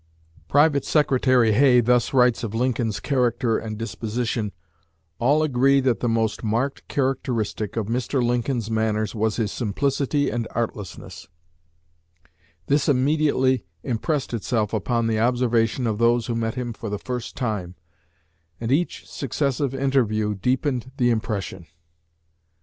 Private Secretary Hay thus writes of Lincoln's character and disposition: "All agree that the most marked characteristic of Mr. Lincoln's manners was his simplicity and artlessness; this immediately impressed itself upon the observation of those who met him for the first time, and each successive interview deepened the impression.